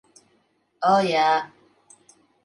O, jā.